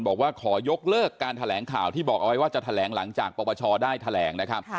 บอกว่าขอยกเลิกการแถลงข่าวที่บอกเอาไว้ว่าจะแถลงหลังจากปปชได้แถลงนะครับ